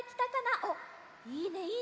おっいいねいいね。